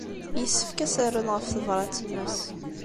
Yessefk ad as-rren ɣef tebṛat-nnes.